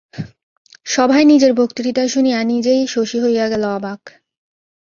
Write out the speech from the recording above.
সভায় নিজের বক্তৃতা শুনিয়া নিজেই শশী হইয়া গেল অবাক।